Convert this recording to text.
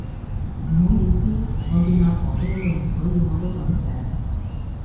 唔好意思，我見阿婆都用所以我都噉寫